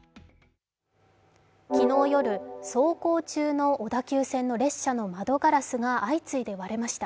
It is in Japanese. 昨日夜、走行中の小田急線の列車の窓ガラスが相次いで割れました。